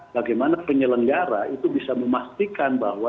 bagaimana penyelenggara itu bisa memastikan bahwa